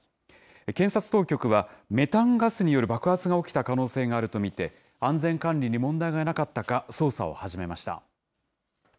検察当局は、メタンガスによる爆発が起きた可能性があると見て、安全管理に問題がなかったか捜査を始めました。